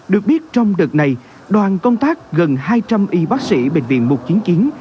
được biết trong đợt này đoàn công tác gần hai trăm linh y bác sĩ bệnh viện một trăm chín mươi chín